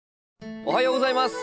おはようございます。